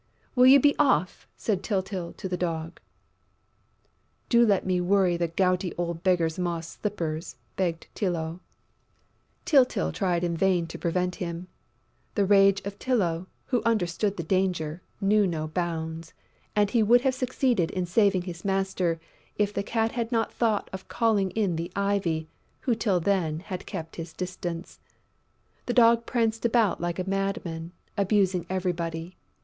"Will you be off!" said Tyltyl to the Dog. "Do let me worry the gouty old beggar's moss slippers!" begged Tylô. Tyltyl tried in vain to prevent him. The rage of Tylô, who understood the danger, knew no bounds; and he would have succeeded in saving his master, if the Cat had not thought of calling in the Ivy, who till then had kept his distance. The Dog pranced about like a madman, abusing everybody.